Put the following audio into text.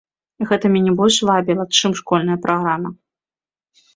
Гэта мяне больш вабіла, чым школьная праграма.